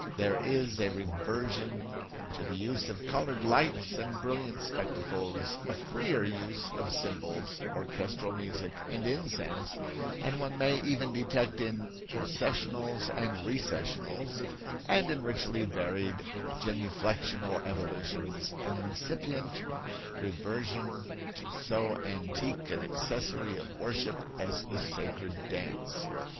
There is a reversion to the use of colored lights and brilliant spectacles, a freer use of symbols, orchestral music and incense, and one may even detect in "processionals" and "recessionals" and in richly varied genuflexional evolutions, an incipient reversion to so antique an accessory of worship as the sacred dance.